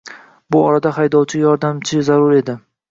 Bu orada haydovchiga yordamchi zarur edi